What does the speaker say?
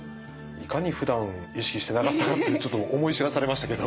いかにふだん意識してなかったかってちょっと思い知らされましたけど。